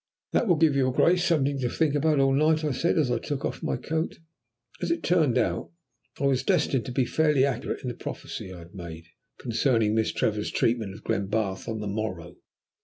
"That will give your Grace something to think about all night," I said, as I took off my coat. As it turned out, I was destined to be fairly accurate in the prophecy I had made concerning Miss Trevor's treatment of Glenbarth on the morrow.